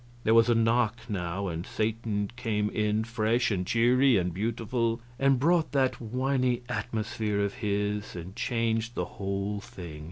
There was a knock, now, and Satan came in, fresh and cheery and beautiful, and brought that winy atmosphere of his and changed the whole thing.